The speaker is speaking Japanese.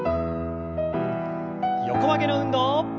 横曲げの運動。